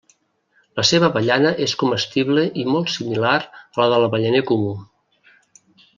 La seva avellana és comestible i molt similar a la de l'avellaner comú.